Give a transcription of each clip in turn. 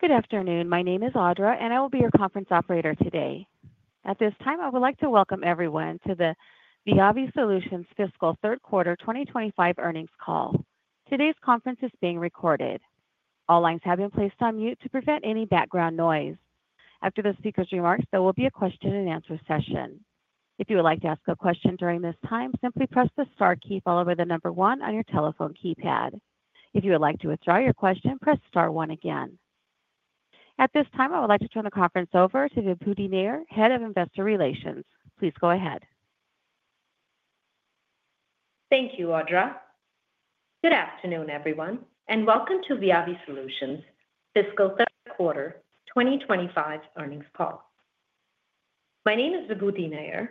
Good afternoon. My name is Audra, and I will be your conference operator today. At this time, I would like to welcome everyone to the Viavi Solutions fiscal third quarter 2025 earnings call. Today's conference is being recorded. All lines have been placed on mute to prevent any background noise. After the speaker's remarks, there will be a question-and-answer session. If you would like to ask a question during this time, simply press the star key followed by the number one on your telephone keypad. If you would like to withdraw your question, press star one again. At this time, I would like to turn the conference over to Vibhuti Nayar, Head of Investor Relations. Please go ahead. Thank you, Audra. Good afternoon, everyone, and welcome to Viavi Solutions fiscal third quarter 2025 earnings call. My name is Vibhuti Nayar,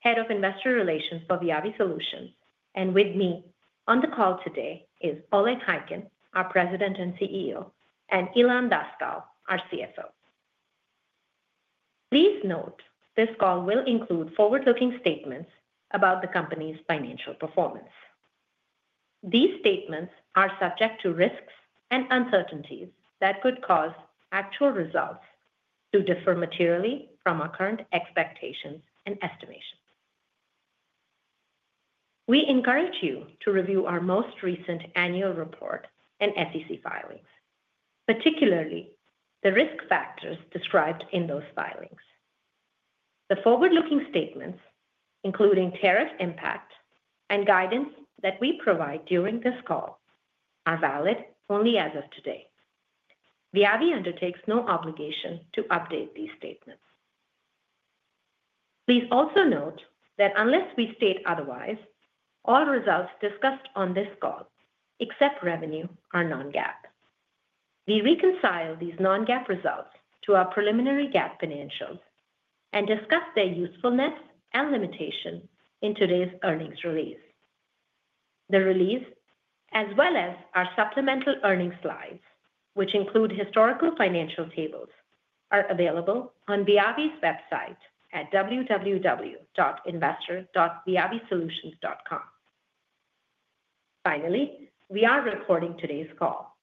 Head of Investor Relations for Viavi Solutions, and with me on the call today is Oleg Khaykin, our President and CEO, and Ilan Daskal, our CFO. Please note this call will include forward-looking statements about the company's financial performance. These statements are subject to risks and uncertainties that could cause actual results to differ materially from our current expectations and estimations. We encourage you to review our most recent annual report and SEC filings, particularly the risk factors described in those filings. The forward-looking statements, including tariff impact and guidance that we provide during this call, are valid only as of today. Viavi undertakes no obligation to update these statements. Please also note that unless we state otherwise, all results discussed on this call, except revenue, are non-GAAP. We reconcile these non-GAAP results to our preliminary GAAP financials and discuss their usefulness and limitations in today's earnings release. The release, as well as our supplemental earnings slides, which include historical financial tables, are available on Viavi's website at www.investor.viavisolutions.com. Finally, we are recording today's call,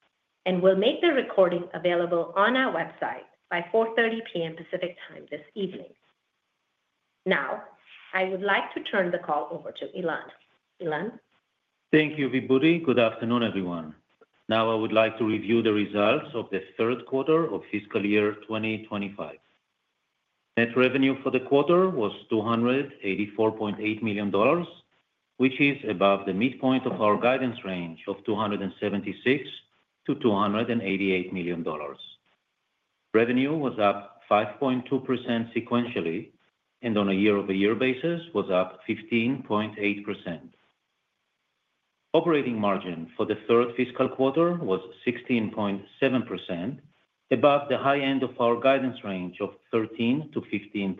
and we'll make the recording available on our website by 4:30 P.M. Pacific Time this evening. Now, I would like to turn the call over to Ilan. Ilan. Thank you, Vibhuti. Good afternoon, everyone. Now, I would like to review the results of the third quarter of fiscal year 2025. Net revenue for the quarter was $284.8 million, which is above the midpoint of our guidance range of $276-$288 million. Revenue was up 5.2% sequentially and, on a year-over-year basis, was up 15.8%. Operating margin for the third fiscal quarter was 16.7%, above the high end of our guidance range of 13%-15%.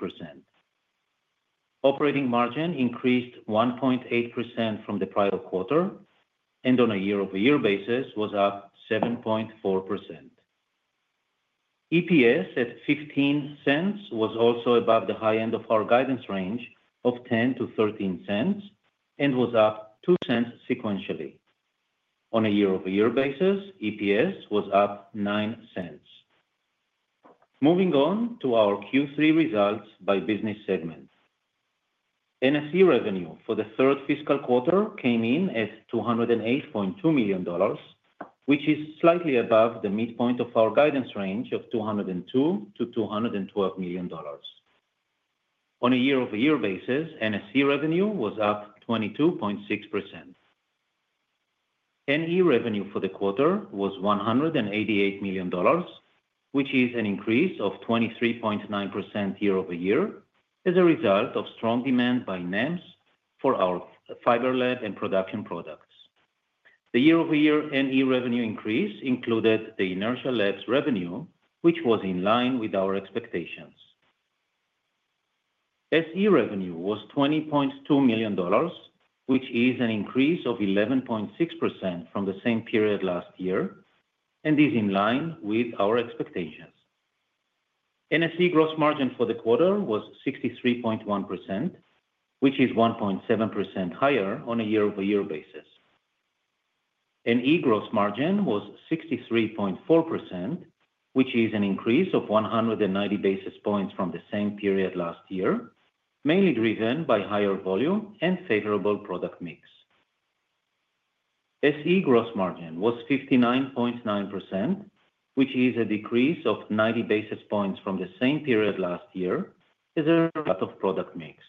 Operating margin increased 1.8% from the prior quarter and, on a year-over-year basis, was up 7.4%. EPS at $0.15 was also above the high end of our guidance range of $0.10-$0.13 and was up $0.02 sequentially. On a year-over-year basis, EPS was up $0.09. Moving on to our Q3 results by business segment. NSE revenue for the third fiscal quarter came in at $208.2 million, which is slightly above the midpoint of our guidance range of $202-$212 million. On a year-over-year basis, NSE revenue was up 22.6%. NE revenue for the quarter was $188 million, which is an increase of 23.9% year-over-year as a result of strong demand by NEMs for our Fiber Lab and Production products. The year-over-year NE revenue increase included the Inertial Labs revenue, which was in line with our expectations. SE revenue was $20.2 million, which is an increase of 11.6% from the same period last year and is in line with our expectations. NSE gross margin for the quarter was 63.1%, which is 1.7% higher on a year-over-year basis. NE gross margin was 63.4%, which is an increase of 190 basis points from the same period last year, mainly driven by higher volume and favorable product mix. SE gross margin was 59.9%, which is a decrease of 90 basis points from the same period last year as a result of product mix.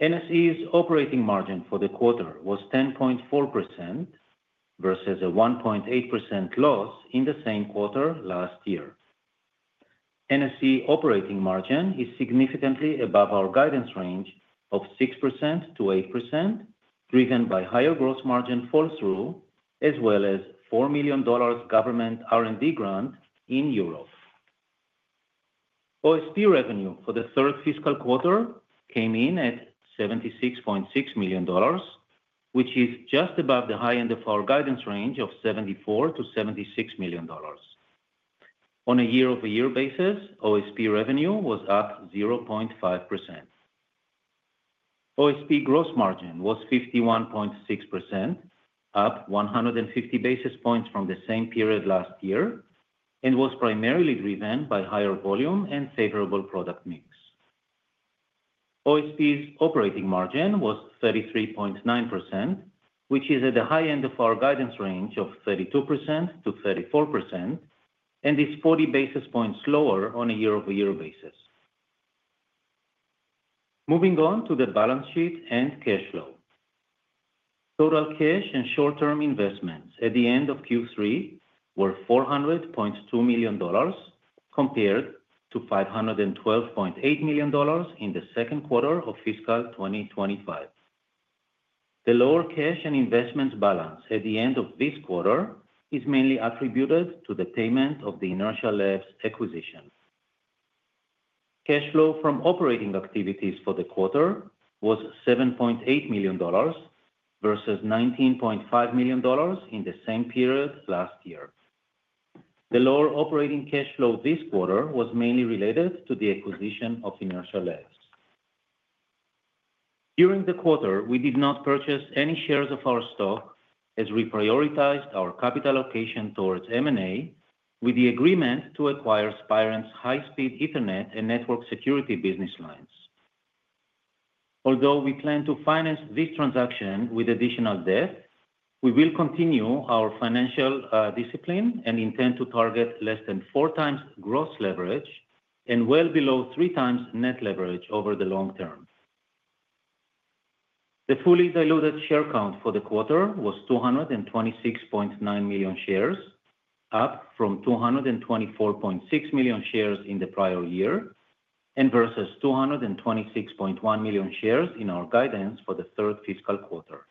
NSE's operating margin for the quarter was 10.4% versus a 1.8% loss in the same quarter last year. NSE operating margin is significantly above our guidance range of 6%-8%, driven by higher gross margin fall-through as well as $4 million government R&D grant in Europe. OSP revenue for the third fiscal quarter came in at $76.6 million, which is just above the high end of our guidance range of $74-$76 million. On a year-over-year basis, OSP revenue was up 0.5%. OSP gross margin was 51.6%, up 150 basis points from the same period last year, and was primarily driven by higher volume and favorable product mix. OSP's operating margin was 33.9%, which is at the high end of our guidance range of 32%-34% and is 40 basis points lower on a year-over-year basis. Moving on to the balance sheet and cash flow. Total cash and short-term investments at the end of Q3 were $400.2 million compared to $512.8 million in the second quarter of fiscal 2025. The lower cash and investments balance at the end of this quarter is mainly attributed to the payment of the Inertial Labs' acquisition. Cash flow from operating activities for the quarter was $7.8 million versus $19.5 million in the same period last year. The lower operating cash flow this quarter was mainly related to the acquisition of Inertial Labs. During the quarter, we did not purchase any shares of our stock as we prioritized our capital allocation towards M&A with the agreement to acquire Spirent's high-speed Ethernet and network security business lines. Although we plan to finance this transaction with additional debt, we will continue our financial discipline and intend to target less than four times gross leverage and well below three times net leverage over the long term. The fully diluted share count for the quarter was 226.9 million shares, up from 224.6 million shares in the prior year versus 226.1 million shares in our guidance for the third fiscal quarter.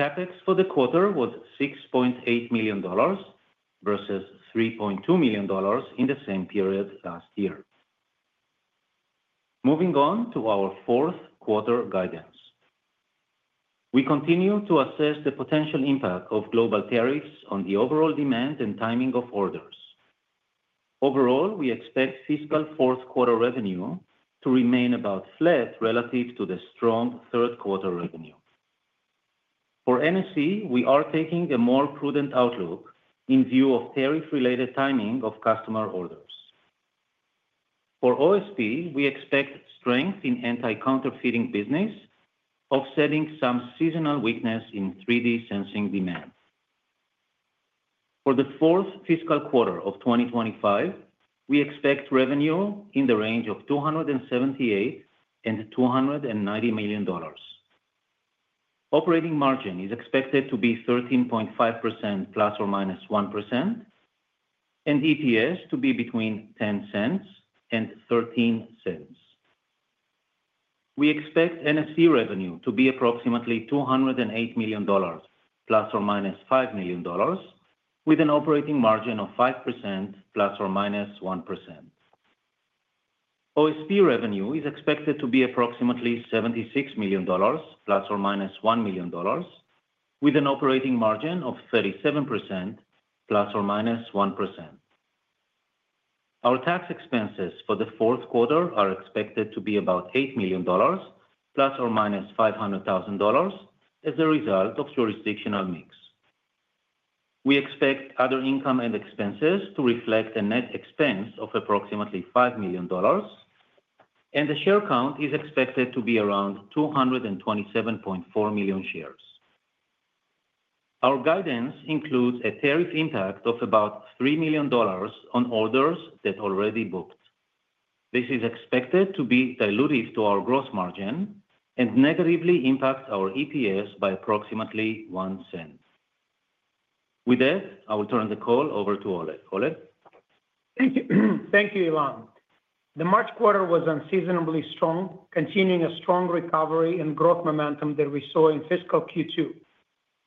CapEx for the quarter was $6.8 million versus $3.2 million in the same period last year. Moving on to our fourth quarter guidance. We continue to assess the potential impact of global tariffs on the overall demand and timing of orders. Overall, we expect fiscal fourth quarter revenue to remain about flat relative to the strong third quarter revenue. For NSE, we are taking a more prudent outlook in view of tariff-related timing of customer orders. For OSP, we expect strength in Anti-Counterfeiting business, offsetting some seasonal weakness in 3D Sensing demand. For the fourth fiscal quarter of 2025, we expect revenue in the range of $278-$290 million. Operating margin is expected to be 13.5% plus or minus 1%, and EPS to be between $0.10 and $0.13. We expect NSE revenue to be approximately $208 million plus or minus $5 million, with an operating margin of 5% plus or minus 1%. OSP revenue is expected to be approximately $76 million plus or minus $1 million, with an operating margin of 37% plus or minus 1%. Our tax expenses for the fourth quarter are expected to be about $8 million plus or minus $500,000 as a result of jurisdictional mix. We expect other income and expenses to reflect a net expense of approximately $5 million, and the share count is expected to be around 227.4 million shares. Our guidance includes a tariff impact of about $3 million on orders that are already booked. This is expected to be diluted to our gross margin and negatively impact our EPS by approximately $0.01. With that, I will turn the call over to Oleg. Oleg. Thank you, Ilan. The March quarter was unseasonably strong, continuing a strong recovery and growth momentum that we saw in fiscal Q2.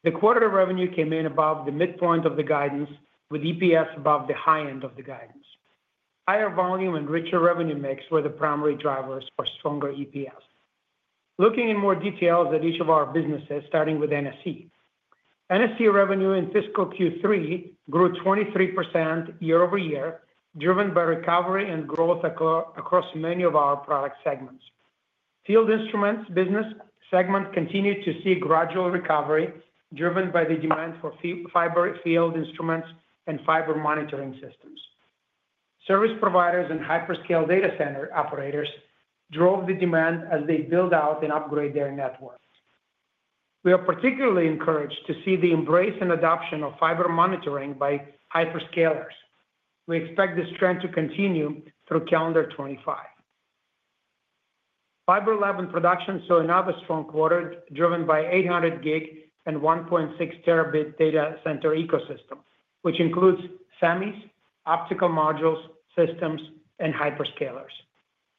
The quarter revenue came in above the midpoint of the guidance, with EPS above the high end of the guidance. Higher volume and richer revenue mix were the primary drivers for stronger EPS. Looking in more detail at each of our businesses, starting with NSE. NSE revenue in fiscal Q3 grew 23% year-over-year, driven by recovery and growth across many of our product segments. Field instruments business segment continued to see a gradual recovery driven by the demand for fiber Field Instruments and fiber monitoring systems. Service providers and hyperscale data center operators drove the demand as they built out and upgraded their network. We are particularly encouraged to see the embrace and adoption of fiber monitoring by hyperscalers. We expect this trend to continue through calendar '25. Fiber Lab and Production saw another strong quarter driven by 800 gig and 1.6 terabit data center ecosystem, which includes semis, optical modules, systems, and hyperscalers.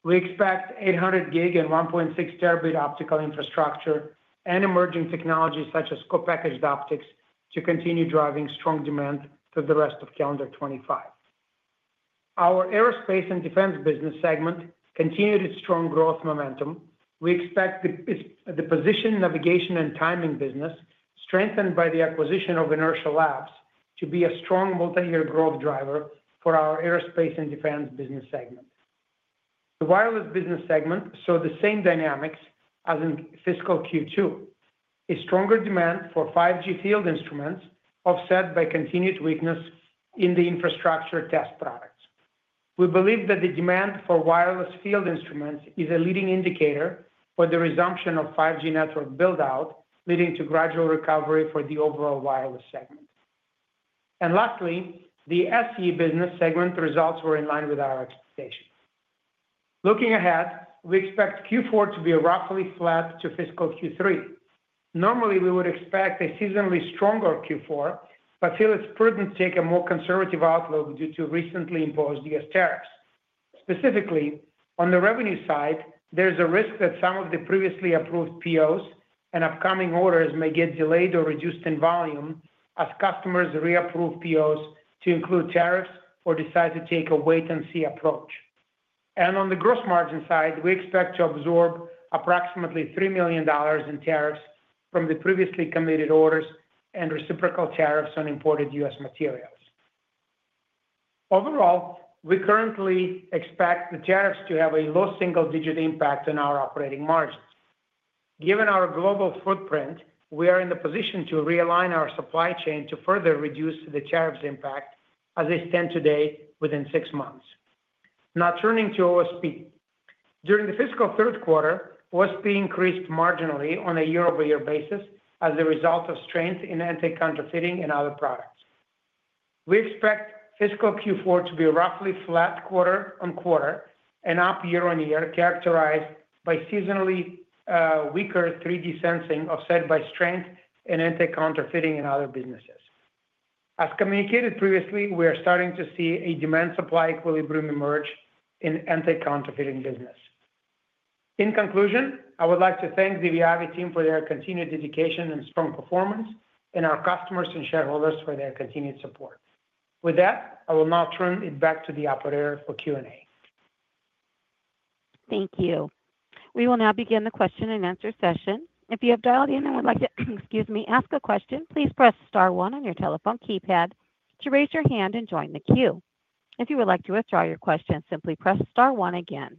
We expect 800 gig and 1.6 terabit optical infrastructure and emerging technologies such as co-packaged optics to continue driving strong demand through the rest of calendar 2025. Our Aerospace and Defense business segment continued its strong growth momentum. We expect the Positioning, Navigation, and Timing business, strengthened by the acquisition of Inertial Labs, to be a strong multi-year growth driver for our Aerospace and Defense business segment. The wireless business segment saw the same dynamics as in fiscal Q2. A stronger demand for 5G field instruments offset by continued weakness in the infrastructure test products. We believe that the demand for wireless field instruments is a leading indicator for the resumption of 5G network build-out, leading to gradual recovery for the overall wireless segment. Lastly, the SE business segment results were in line with our expectations. Looking ahead, we expect Q4 to be roughly flat to fiscal Q3. Normally, we would expect a seasonally stronger Q4, but feel it's prudent to take a more conservative outlook due to recently imposed U.S. tariffs. Specifically, on the revenue side, there's a risk that some of the previously approved POs and upcoming orders may get delayed or reduced in volume as customers reapprove POs to include tariffs or decide to take a wait-and-see approach. And on the gross margin side, we expect to absorb approximately $3 million in tariffs from the previously committed orders and reciprocal tariffs on imported U.S. materials. Overall, we currently expect the tariffs to have a low single-digit impact on our operating margins. Given our global footprint, we are in the position to realign our supply chain to further reduce the tariffs' impact as they stand today within six months. Now turning to OSP. During the fiscal third quarter, OSP increased marginally on a year-over-year basis as a result of strength in Anti-Counterfeiting and other products. We expect fiscal Q4 to be a roughly flat quarter on quarter and up year-on-year, characterized by seasonally weaker 3D Sensing offset by strength in Anti-Counterfeiting and other businesses. As communicated previously, we are starting to see a demand-supply equilibrium emerge in Anti-Counterfeiting business. In conclusion, I would like to thank the Viavi team for their continued dedication and strong performance and our customers and shareholders for their continued support. With that, I will now turn it back to the operator for Q&A. Thank you. We will now begin the question-and-answer session. If you have dialed in and would like to, excuse me, ask a question, please press star one on your telephone keypad to raise your hand and join the queue. If you would like to withdraw your question, simply press star one again.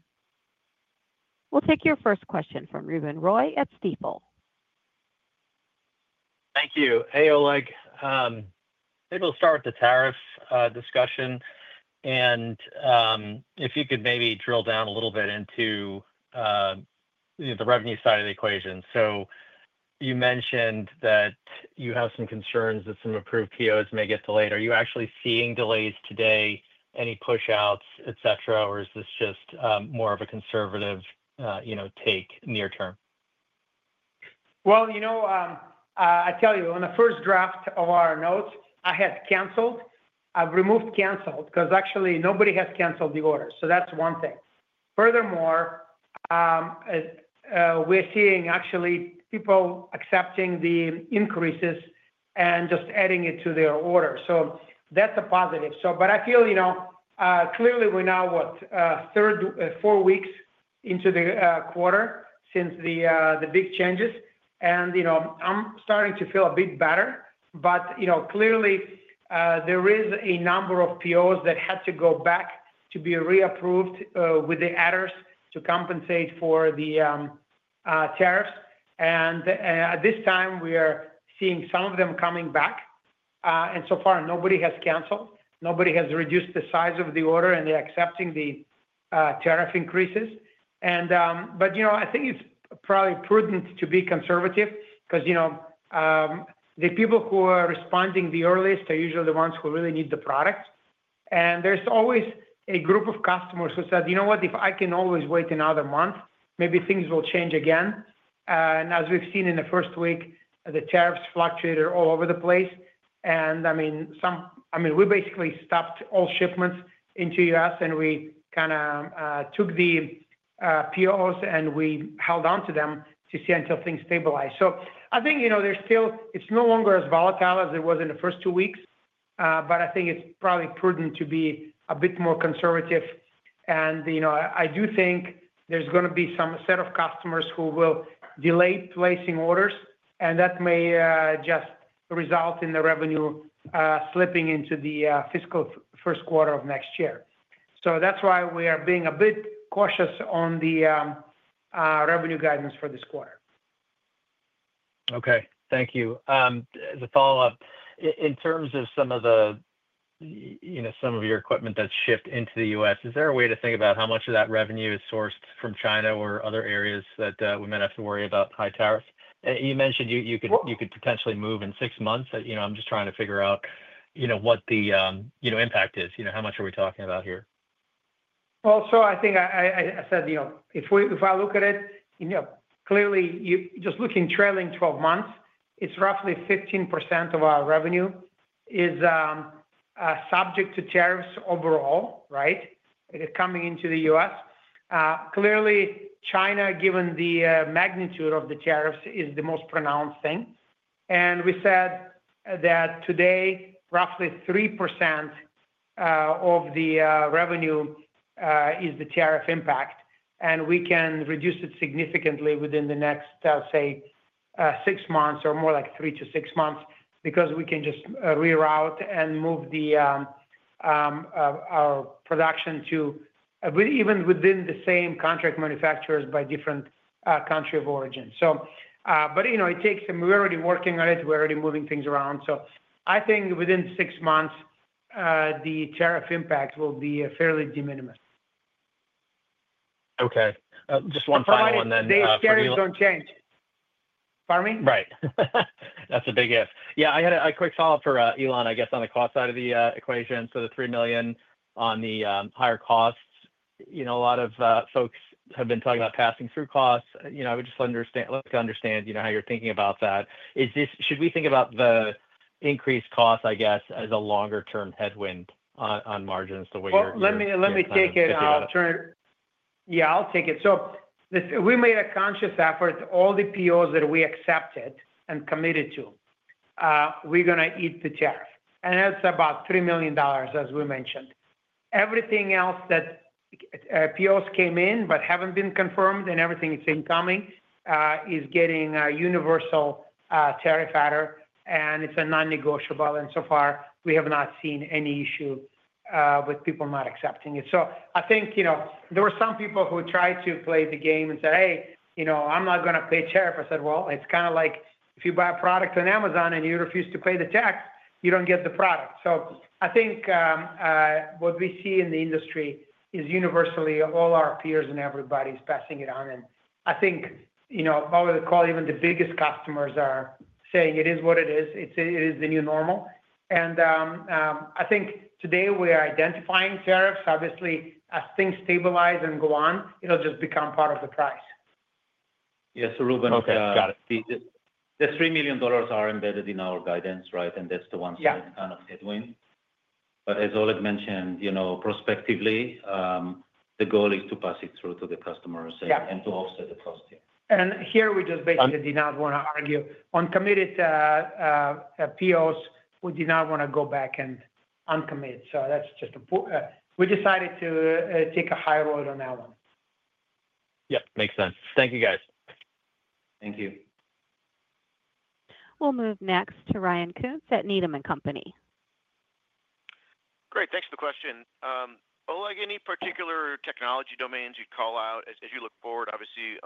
We'll take your first question from Ruben Roy at Stifel. Thank you. Hey, Oleg. Maybe we'll start with the tariffs discussion. And if you could maybe drill down a little bit into the revenue side of the equation. So you mentioned that you have some concerns that some approved POs may get delayed. Are you actually seeing delays today, any push-outs, et cetera, or is this just more of a conservative take near-term? You know, I tell you, on the first draft of our notes, I had canceled. I've removed canceled because actually nobody has canceled the order. So that's one thing. Furthermore, we're seeing actually people accepting the increases and just adding it to their order. So that's a positive. But I feel, you know, clearly we're now what, four weeks into the quarter since the big changes. And, you know, I'm starting to feel a bit better, but, you know, clearly there is a number of POs that had to go back to be reapproved with the adders to compensate for the tariffs. And at this time, we are seeing some of them coming back. And so far, nobody has canceled. Nobody has reduced the size of the order and they're accepting the tariff increases. You know, I think it's probably prudent to be conservative because, you know, the people who are responding the earliest are usually the ones who really need the product. There's always a group of customers who said, you know what, if I can always wait another month, maybe things will change again. As we've seen in the first week, the tariffs fluctuated all over the place. I mean, we basically stopped all shipments into the U.S. and we kind of took the POs and we held on to them to see until things stabilized. I think, you know, there's still, it's no longer as volatile as it was in the first two weeks, but I think it's probably prudent to be a bit more conservative. You know, I do think there's going to be some set of customers who will delay placing orders, and that may just result in the revenue slipping into the fiscal first quarter of next year. That's why we are being a bit cautious on the revenue guidance for this quarter. Okay. Thank you. As a follow-up, in terms of some of the, you know, some of your equipment that's shipped into the U.S., is there a way to think about how much of that revenue is sourced from China or other areas that we might have to worry about high tariffs? You mentioned you could potentially move in six months. You know, I'm just trying to figure out, you know, what the impact is. You know, how much are we talking about here? Well, so I think I said, you know, if I look at it, you know, clearly just looking trailing 12 months, it's roughly 15% of our revenue is subject to tariffs overall, right? Coming into the U.S. Clearly, China, given the magnitude of the tariffs, is the most pronounced thing. And we said that today, roughly 3% of the revenue is the tariff impact. And we can reduce it significantly within the next, I'll say, six months or more like three to six months because we can just reroute and move our production to even within the same contract manufacturers by different country of origin. So, but, you know, it takes some, we're already working on it. We're already moving things around. So I think within six months, the tariff impact will be fairly de minimis. Okay. Just one final one then. So my day's schedule don't change. Pardon me? Right. That's a big if. Yeah. I had a quick follow-up for Ilan, I guess, on the cost side of the equation. So the $3 million on the higher costs, you know, a lot of folks have been talking about passing through costs. You know, I would just like to understand, you know, how you're thinking about that. Is this, should we think about the increased costs, I guess, as a longer-term headwind on margins the way you're doing? Well, let me take it. I'll turn. Yeah, I'll take it. So we made a conscious effort, all the POs that we accepted and committed to, we're going to eat the tariff. And that's about $3 million, as we mentioned. Everything else that POs came in but haven't been confirmed and everything it's incoming is getting a universal tariff adder. And it's a non-negotiable. And so far, we have not seen any issue with people not accepting it. So I think, you know, there were some people who tried to play the game and said, hey, you know, I'm not going to pay tariff. I said, well, it's kind of like if you buy a product on Amazon and you refuse to pay the tax, you don't get the product. So I think what we see in the industry is universally all our peers and everybody's passing it on. I think, you know, I would call even the biggest customers are saying it is what it is. It is the new normal. I think today we are identifying tariffs. Obviously, as things stabilize and go on, it'll just become part of the price. Yes. So, Ruben. Okay. Got it. The $3 million are embedded in our guidance, right? And that's the one side kind of headwind. But as Oleg mentioned, you know, prospectively, the goal is to pass it through to the customers and to offset the cost. Here we just basically did not want to argue. On committed POs, we did not want to go back and uncommit. That's just a, we decided to take a high road on that one. Yep. Makes sense. Thank you, guys. Thank you. We'll move next to Ryan Koontz at Needham & Company. Great. Thanks for the question. Oleg, any particular technology domains you'd call out as you look forward? Obviously,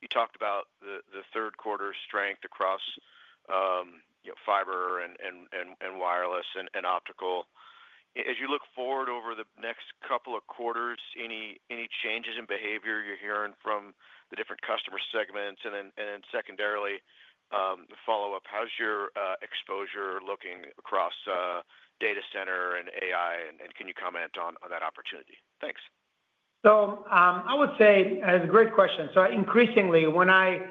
you talked about the third quarter strength across fiber and wireless and optical. As you look forward over the next couple of quarters, any changes in behavior you're hearing from the different customer segments? And then secondarily, the follow-up, how's your exposure looking across data center and AI? And can you comment on that opportunity? Thanks. So I would say it's a great question. So increasingly, when I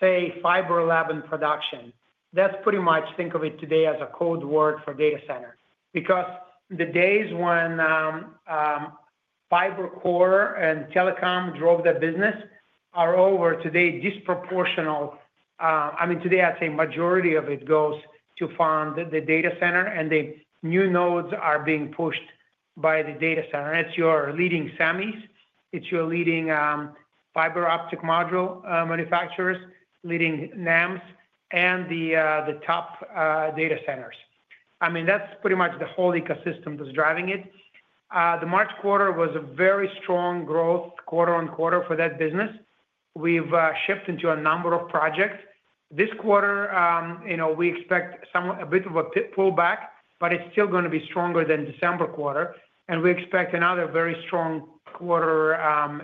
say fiber lab and production, that's pretty much think of it today as a code word for data center. Because the days when fiber core and telecom drove the business are over today, disproportionately. I mean, today, I'd say majority of it goes to fund the data center and the new nodes are being pushed by the data center. And it's your leading semis. It's your leading fiber optic module manufacturers, leading NEMs, and the top data centers. I mean, that's pretty much the whole ecosystem that's driving it. The March quarter was a very strong growth quarter on quarter for that business. We've shipped into a number of projects. This quarter, you know, we expect a bit of a pullback, but it's still going to be stronger than December quarter. We expect another very strong quarter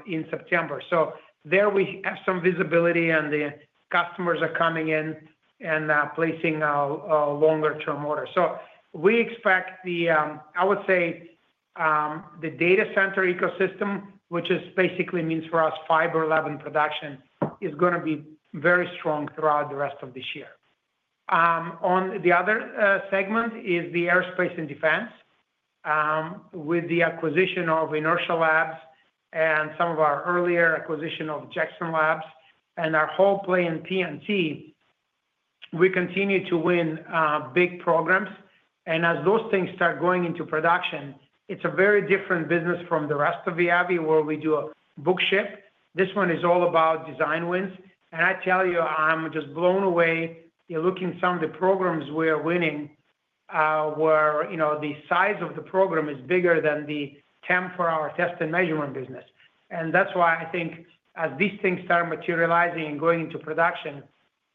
in September. So there we have some visibility and the customers are coming in and placing longer-term orders. So we expect the, I would say, the data center ecosystem, which basically means for us Fiber Lab and Production is going to be very strong throughout the rest of this year. On the other segment is the aerospace and defense with the acquisition of Inertial Labs and some of our earlier acquisition of Jackson Labs and our whole play in PNT. We continue to win big programs. And as those things start going into production, it's a very different business from the rest of Viavi where we do a book-to-ship. This one is all about design wins. And I tell you, I'm just blown away. You're looking at some of the programs we are winning where, you know, the size of the program is bigger than the TAM for our test and measurement business. And that's why I think as these things start materializing and going into production,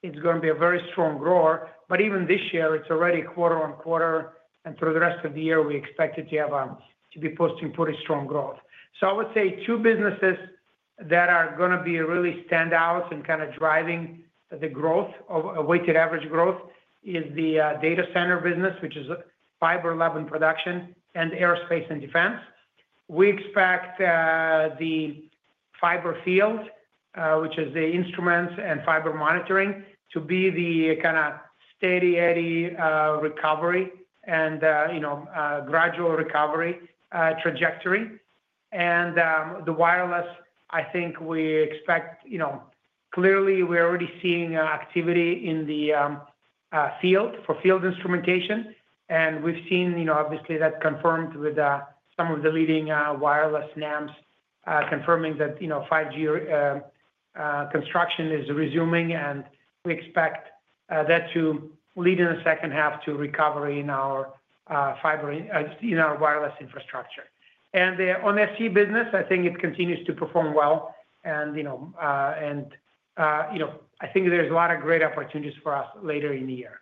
it's going to be a very strong grower. But even this year, it's already quarter on quarter. And through the rest of the year, we expect it to be posting pretty strong growth. So I would say two businesses that are going to be really stand out and kind of driving the growth of weighted average growth is the data center business, which is Fiber Lab and Production and Aerospace and Defense. We expect the fiber field, which is the instruments and fiber monitoring to be the kind of steady recovery and, you know, gradual recovery trajectory. The wireless, I think we expect, you know, clearly we're already seeing activity in the field for field instrumentation. We've seen, you know, obviously that confirmed with some of the leading wireless NEMs confirming that, you know, 5G construction is resuming. We expect that to lead in the second half to recovery in our fiber, in our wireless infrastructure. The OSP business, I think it continues to perform well. You know, I think there's a lot of great opportunities for us later in the year.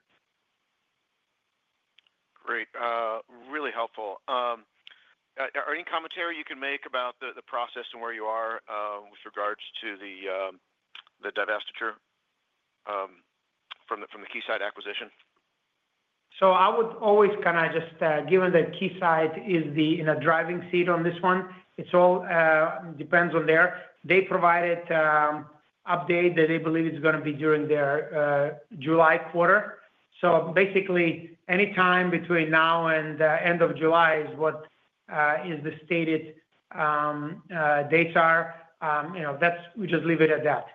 Great. Really helpful. Are there any commentary you can make about the process and where you are with regards to the divestiture from the Keysight acquisition? So I would always kind of just, given that Keysight is the driver's seat on this one, it all depends on them. They provided an update that they believe it's going to be during their July quarter. So basically, anytime between now and the end of July is what the stated dates are. You know, that's. We just leave it at that.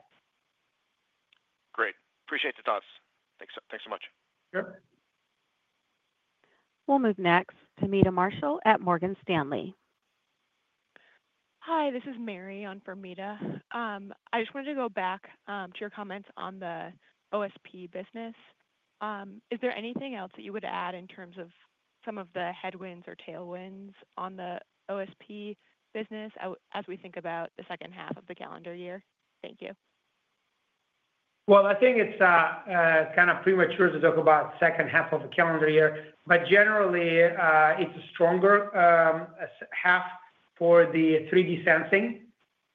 Great. Appreciate the thoughts. Thanks so much. Yep. We'll move next to Meta Marshall at Morgan Stanley. Hi, this is Mary on for Meta. I just wanted to go back to your comments on the OSP business. Is there anything else that you would add in terms of some of the headwinds or tailwinds on the OSP business as we think about the second half of the calendar year? Thank you. Well, I think it's kind of premature to talk about the second half of the calendar year. But generally, it's a stronger half for the 3D Sensing.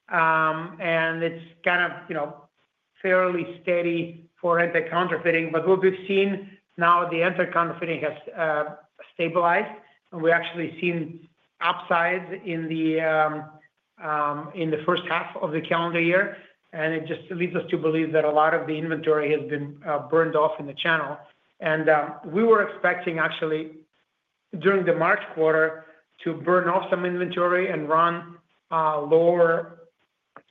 And it's kind of, you know, fairly steady for Anti-Counterfeiting. But what we've seen now, the Anti-Counterfeiting has stabilized. And we actually seen upsides in the first half of the calendar year. And it just leads us to believe that a lot of the inventory has been burned off in the channel. And we were expecting actually during the March quarter to burn off some inventory and run lower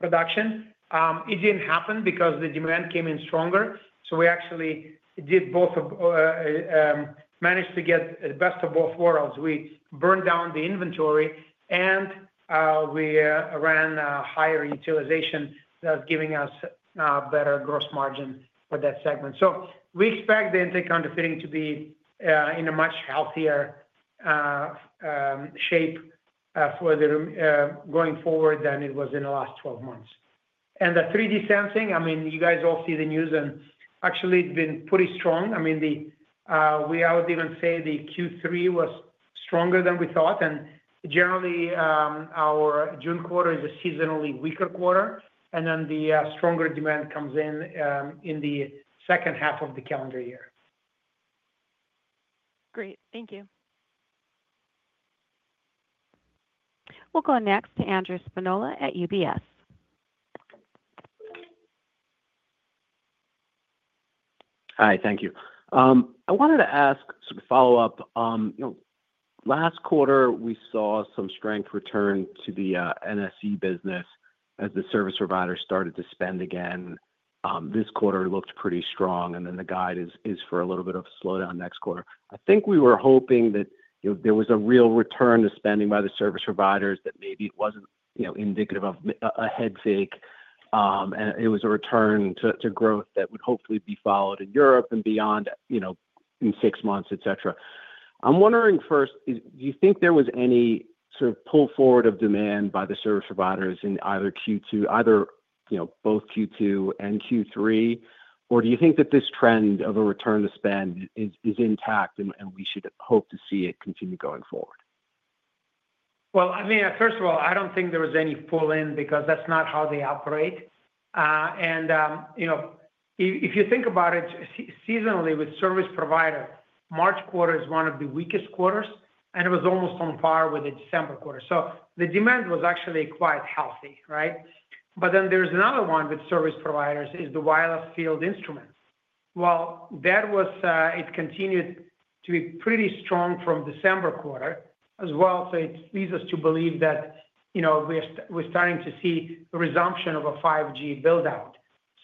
production. It didn't happen because the demand came in stronger. So we actually did both manage to get the best of both worlds. We burned down the inventory and we ran higher utilization that's giving us better gross margin for that segment. So we expect the Anti-Counterfeiting to be in a much healthier shape for going forward than it was in the last 12 months. And the 3D Sensing, I mean, you guys all see the news and actually it's been pretty strong. I mean, I would even say the Q3 was stronger than we thought. And generally, our June quarter is a seasonally weaker quarter. And then the stronger demand comes in the second half of the calendar year. Great. Thank you. We'll go next to Andrew Spinola at UBS. Hi. Thank you. I wanted to ask sort of follow-up. You know, last quarter, we saw some strength return to the NSE business as the service providers started to spend again. This quarter looked pretty strong. And then the guide is for a little bit of a slowdown next quarter. I think we were hoping that there was a real return to spending by the service providers that maybe it wasn't indicative of a head fake. And it was a return to growth that would hopefully be followed in Europe and beyond, you know, in six months, etc. I'm wondering first, do you think there was any sort of pull forward of demand by the service providers in either Q2, either both Q2 and Q3? Or do you think that this trend of a return to spend is intact and we should hope to see it continue going forward? I mean, first of all, I don't think there was any pull-in because that's not how they operate. You know, if you think about it seasonally with service providers, March quarter is one of the weakest quarters. It was almost on par with the December quarter. The demand was actually quite healthy, right? There's another one with service providers: the wireless field instruments. That was, it continued to be pretty strong from December quarter as well. It leads us to believe that, you know, we're starting to see a resumption of a 5G buildout.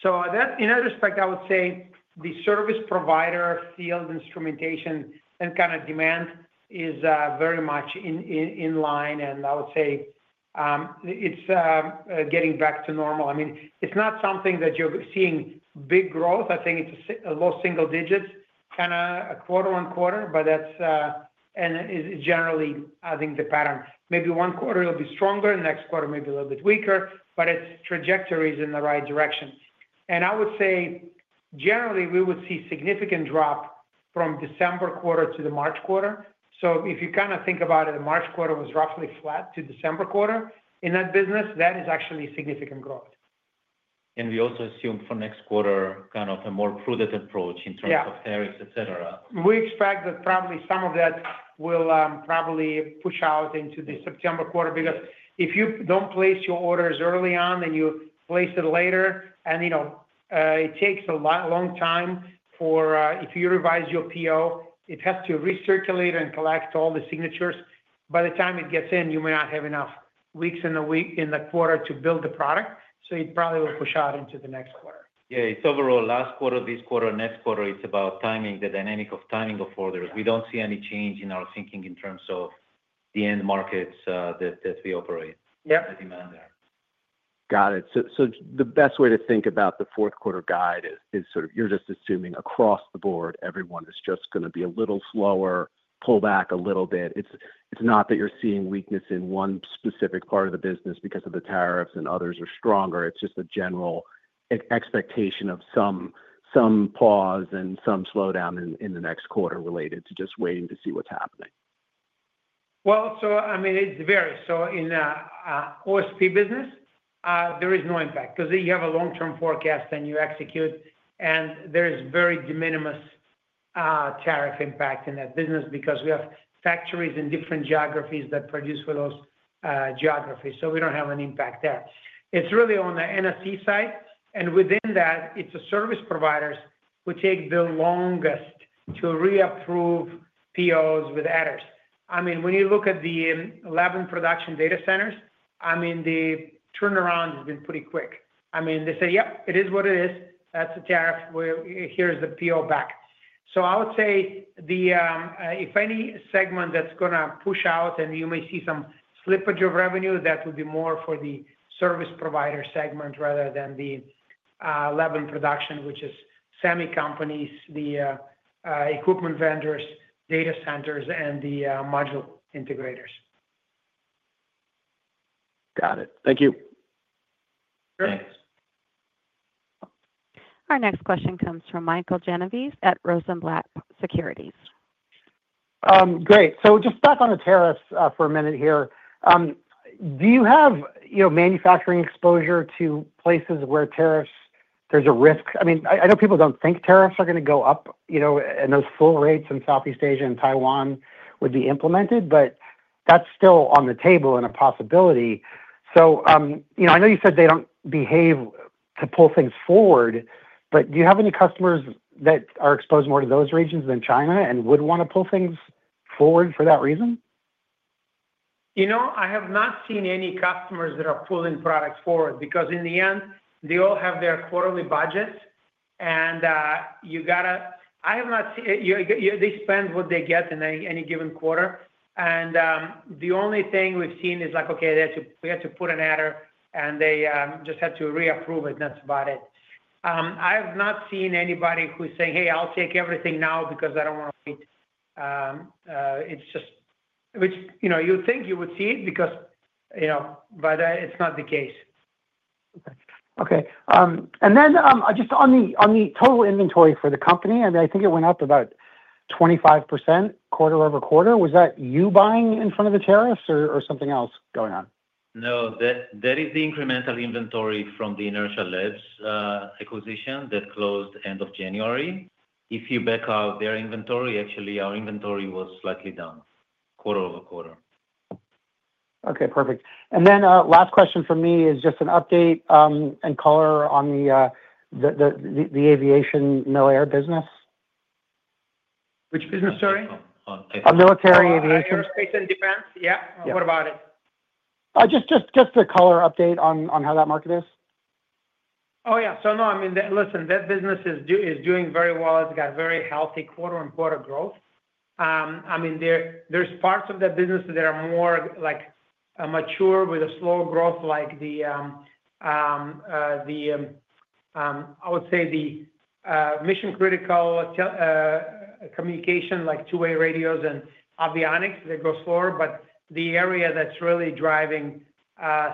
In that respect, I would say the service provider field instrumentation and kind of demand is very much in line. I would say it's getting back to normal. I mean, it's not something that you're seeing big growth. I think it's low single digits kind of quarter on quarter. But that's and it's generally, I think, the pattern. Maybe one quarter it'll be stronger. Next quarter, maybe a little bit weaker. But its trajectory is in the right direction. And I would say generally, we would see a significant drop from December quarter to the March quarter. So if you kind of think about it, the March quarter was roughly flat to December quarter. In that business, that is actually significant growth. We also assume for next quarter kind of a more prudent approach in terms of tariffs, etc. We expect that probably some of that will probably push out into the September quarter because if you don't place your orders early on and you place it later and, you know, it takes a long time for if you revise your PO, it has to recirculate and collect all the signatures. By the time it gets in, you may not have enough weeks in the quarter to build the product. It probably will push out into the next quarter. Yeah. It's overall last quarter, this quarter, next quarter. It's about timing, the dynamic of timing of orders. We don't see any change in our thinking in terms of the end markets that we operate. Yep. The demand there. Got it. So the best way to think about the fourth quarter guide is sort of you're just assuming across the board, everyone is just going to be a little slower, pull back a little bit. It's not that you're seeing weakness in one specific part of the business because of the tariffs and others are stronger. It's just a general expectation of some pause and some slowdown in the next quarter related to just waiting to see what's happening. I mean, it varies. In the OSP business, there is no impact because you have a long-term forecast and you execute. There is very de minimis tariff impact in that business because we have factories in different geographies that produce for those geographies. We don't have an impact there. It's really on the NSE side. Within that, it's the service providers who take the longest to reapprove POs with adders. I mean, when you look at the lab and production data centers, I mean, the turnaround has been pretty quick. I mean, they say, "Yep, it is what it is. That's the tariff. Here's the PO back." So I would say if any segment that's going to push out and you may see some slippage of revenue, that would be more for the service provider segment rather than the lab and production, which is semi companies, the equipment vendors, data centers, and the module integrators. Got it. Thank you. Sure. Thanks. Our next question comes from Michael Genovese at Rosenblatt Securities. Great. So just back on the tariffs for a minute here. Do you have, you know, manufacturing exposure to places where tariffs, there's a risk? I mean, I know people don't think tariffs are going to go up, you know, and those full rates in Southeast Asia and Taiwan would be implemented. But that's still on the table and a possibility. So, you know, I know you said they don't have to pull things forward. But do you have any customers that are exposed more to those regions than China and would want to pull things forward for that reason? You know, I have not seen any customers that are pulling products forward because in the end, they all have their quarterly budgets. I have not seen that they spend what they get in any given quarter. The only thing we've seen is like, "Okay, they have to put an adder." They just have to reapprove it. That's about it. I have not seen anybody who's saying, "Hey, I'll take everything now because I don't want to wait." It's just which, you know, you'd think you would see it because, you kn-w, but it's not the case. Okay. And then just on the total inventory for the company, I mean, I think it went up about 25% quarter-over-quarter. Was that you buying in front of the tariffs or something else going on? No, that is the incremental inventory from the Inertial Labs acquisition that closed end of January. If you back out their inventory, actually our inventory was slightly down quarter over quarter. Okay. Perfect. And then last question for me is just an update and color on the avionics/mil-air business. Which business, sorry? Military aviation. Space and defense. Yeah. What about it? Just a color update on how that market is. Oh, yeah. So no, I mean, listen, that business is doing very well. It's got very healthy quarter on quarter growth. I mean, there's parts of that business that are more like mature with a slow growth like the, I would say, the mission-critical communication like two-way radios and avionics that go slower. But the area that's really driving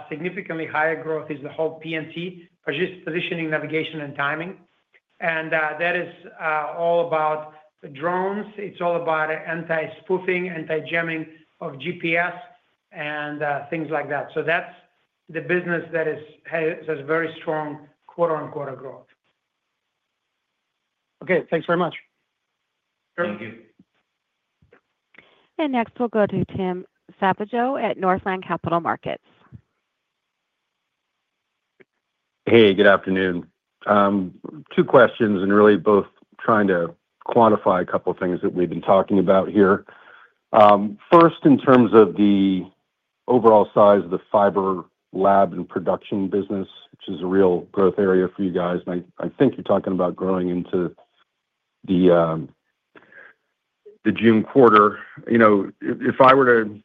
significantly higher growth is the whole PNT, positioning, navigation, and timing. And that is all about drones. It's all about anti-spoofing, anti-jamming of GPS and things like that. So that's the business that has very strong quarter on quarter growth. Okay. Thanks very much. Thank you. Next, we'll go to Tim Savageaux at Northland Capital Markets. Hey, good afternoon. Two questions and really both trying to quantify a couple of things that we've been talking about here. First, in terms of the overall size of the Fiber Lab and Production business, which is a real growth area for you guys. And I think you're talking about growing into the June quarter. You know, if I were to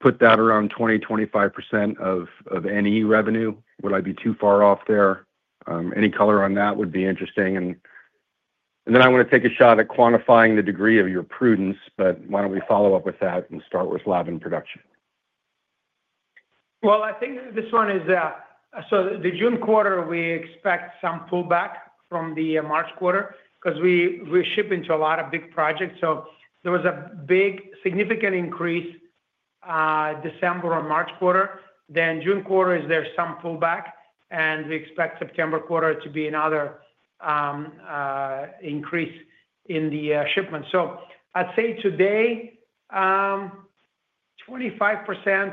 put that around 20-25% of any revenue, would I be too far off there? Any color on that would be interesting. And then I want to take a shot at quantifying the degree of your prudence. But why don't we follow up with that and start with lab and production? I think this one is so the June quarter, we expect some pullback from the March quarter because we ship into a lot of big projects. There was a big significant increase in December and March quarter. The June quarter, there is some pullback. We expect September quarter to be another increase in the shipment. I'd say today, 25%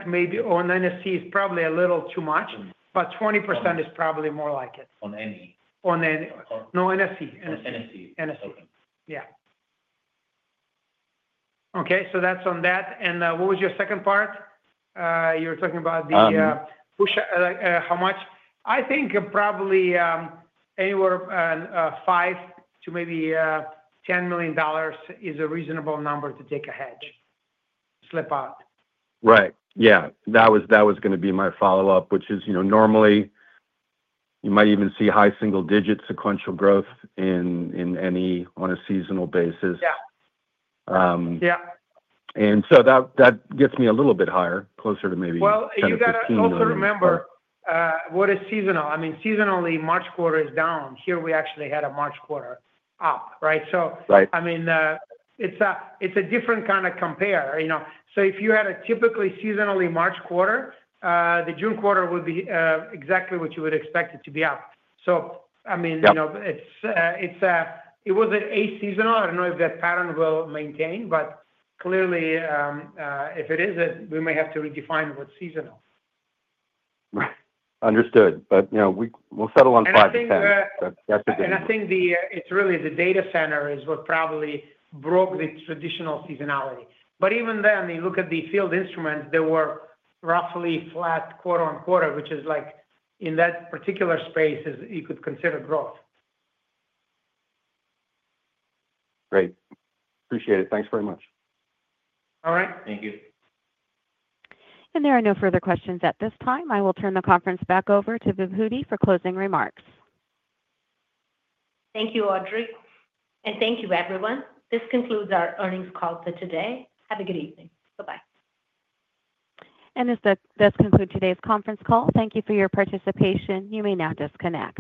maybe on NSE is probably a little too much. 20% is probably more like it. On any? On any. No, NSE. NSE. NSE. Okay. Yeah. Okay. So that's on that, and what was your second part? You were talking about the push how much. I think probably anywhere from $5 million to maybe $10 million is a reasonable number to take a hedge, slip out. Right. Yeah. That was going to be my follow-up, which is, you know, normally you might even see high single-digit sequential growth in any on a seasonal basis. Yeah. Yeah. That gets me a little bit higher, closer to maybe $15 million. You got to also remember what is seasonal. I mean, seasonally, March quarter is down. Here, we actually had a March quarter up, right? So I mean, it's a different kind of compare, you know. So if you had a typically seasonally March quarter, the June quarter would be exactly what you would expect it to be up. So I mean, you know, it's. It wasn't a seasonal. I don't know if that pattern will maintain. But clearly, if it is, we may have to redefine what's seasonal. Right. Understood. But, you know, we'll settle on 5%. I think it's really the data center is what probably broke the traditional seasonality. But even then, you look at the field instruments. They were roughly flat quarter on quarter, which is like in that particular space, you could consider growth. Great. Appreciate it. Thanks very much. All right. Thank you. There are no further questions at this time. I will turn the conference back over to Vibhuti for closing remarks. Thank you, Audra. And thank you, everyone. This concludes our earnings call for today. Have a good evening. Bye-bye. This does conclude today's conference call. Thank you for your participation. You may now disconnect.